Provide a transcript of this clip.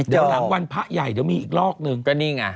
หลังวันพระใหญ่เดี๋ยวมีอีกรองนึง